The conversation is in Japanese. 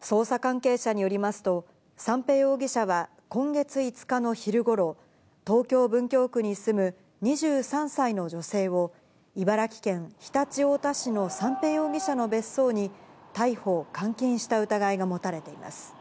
捜査関係者によりますと、三瓶容疑者は今月５日の昼ごろ、東京・文京区に住む２３歳の女性を、茨城県常陸太田市の三瓶容疑者の別荘に逮捕・監禁した疑いが持たれています。